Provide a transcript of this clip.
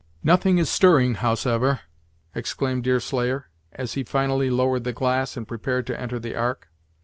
"Nothing is stirring, howsever," exclaimed Deerslayer, as he finally lowered the glass, and prepared to enter the ark.